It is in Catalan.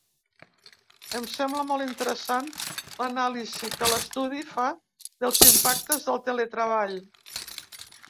Em sembla molt interessant l’anàlisi que l’estudi fa dels impactes del teletreball.